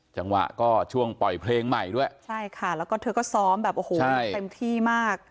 จังหวะก็ช่วงปล่อยเพลงใหม่ด้วยใช่ค่ะแล้วก็เธอก็ซ้อมแบบโอ้โหเต็มที่มาก